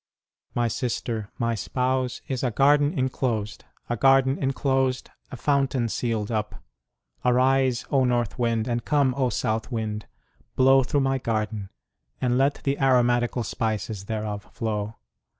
My sister, my spouse, is a garden enclosed ; a garden enclosed, a fountain sealed up. ... Arise, O north wind, and come, O south wind ; blow through my garden ; and let the aromatical spices thereof flow.